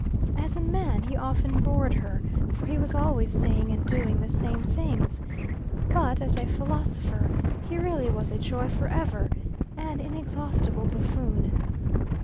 As a man he often bored her, for he was always saying and doing the same things. But as a philosopher he really was a joy for ever, an inexhaustible buffoon.